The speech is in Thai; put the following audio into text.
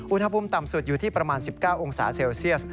อุณหภูมิต่ำสุดอยู่ที่ประมาณ๑๙องศาเซลเซียส